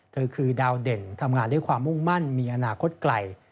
เธอคือดาวเด่นทำงานด้วยความมุ่งมั่นมีอนาคตไกล